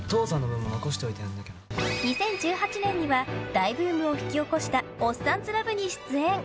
２０１８年には大ブームを引き起こした「おっさんずラブ」に出演。